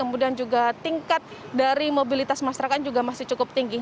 kemudian juga tingkat dari mobilitas masyarakat juga masih cukup tinggi